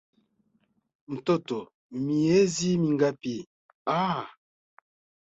Mtoto nmiezi mingapi? Ah